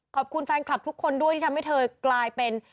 ขอบคุณแฟนคลับทุกคนด้วยที่ทำให้เธอกลายเป็น